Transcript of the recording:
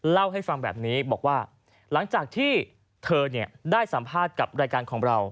เล่าให้ฟังแบบนี้บอกว่าหลังจากที่เธอได้สัมภาษณ์กับรายการของเรา